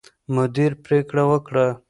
مدیر پرېکړه وکړه.